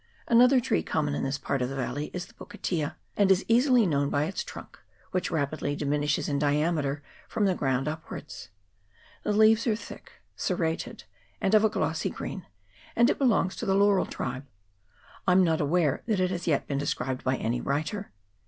Another tree common in this part of the valley is the pukatea, and is easily known by its trunk, which rapidly diminishes in diameter from the ground upwards. The leaves are thick, serrated, and of a glossy green, and it belongs to the laurel tribe. I am not aware that it has yet been described by any writer.